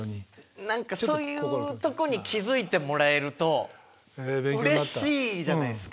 何かそういうとこに気付いてもらえるとうれしいじゃないですか。